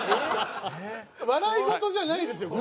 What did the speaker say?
笑い事じゃないですよ。